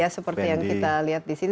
seperti yang kita lihat di sini